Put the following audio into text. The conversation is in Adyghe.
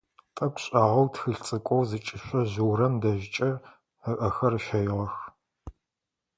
Тӏэкӏу шӏагъэу тхылъ цӏыкӏоу зыкӏышъо жъыурэм дэжькӏэ ыӏэхэр ыщэигъэх.